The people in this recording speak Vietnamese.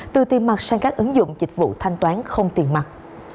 từ tiền mặt sang các ứng dụng dịch vụ thanh toán không tiền mặt